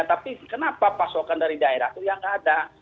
tapi kenapa pasokan dari daerah itu ya nggak ada